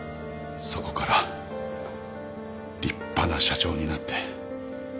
そこから立派な社長になって。